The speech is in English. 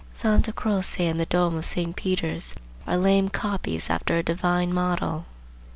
Santa Croce and the Dome of St. Peter's are lame copies after a divine model.